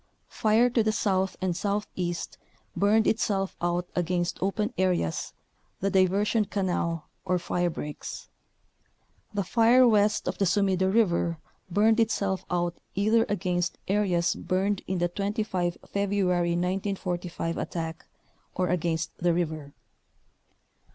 Fire to the south and southeast burned itself out against open areas, the Diver sion Canal or firebreaks. The fire west of the Sumida River burned itself out either against areas burned in the 25 February 1945 attack, or against the river.